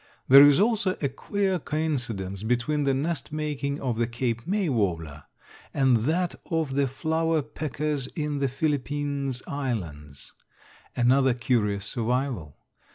There is also a queer coincidence between the nest making of the Cape May warbler and that of the flower peckers in the Philippines Islands another curious survival.